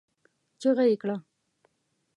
چيغه يې کړه!